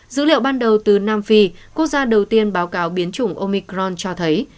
dữ liệu ban đầu từ nam phi quốc gia đầu tiên báo cáo biến chủng omicron cho thấy